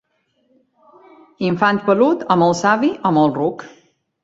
Infant pelut, o molt savi o molt ruc.